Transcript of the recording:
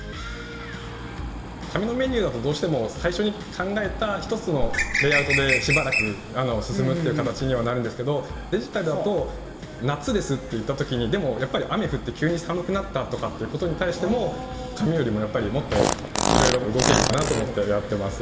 紙のメニューだとどうしても最初に考えた１つのレイアウトでしばらく進むっていう形にはなるんですけどデジタルだと「夏です」っていった時にでもやっぱり雨降って急に寒くなったとかっていうことに対しても紙よりもやっぱりもっといろいろ動けるかなと思ってやってます。